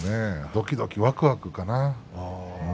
どきどき、わくわくかな。